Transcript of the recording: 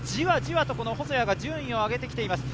じわじわと細谷が順位を上げてきています。